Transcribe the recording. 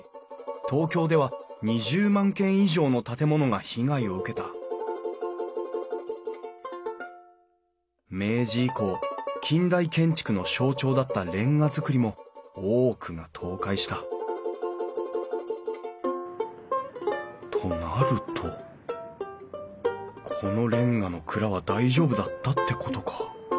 東京では２０万軒以上の建物が被害を受けた明治以降近代建築の象徴だった煉瓦造りも多くが倒壊したとなるとこのれんがの蔵は大丈夫だったってことか。